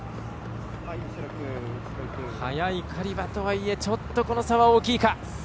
速いカリバとはいえちょっと、この差は大きいか。